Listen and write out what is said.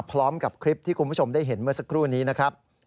พร้อมกับคลิปที่คุณผู้ชมได้เห็นเมื่อสักครู่นี้นะครับ